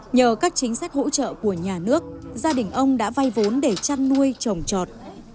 nhờ các chính sách hỗ trợ của nhà nước gia đình ông đã vay vốn để chăn nuôi trồng trọt